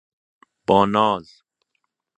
با ناز